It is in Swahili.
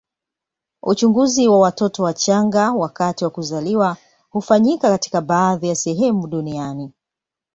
Uchunguzi wa watoto wachanga wakati wa kuzaliwa hufanyika katika baadhi ya sehemu duniani.